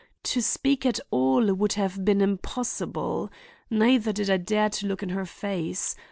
To speak at all would have been impossible. Neither did I dare to look in her face.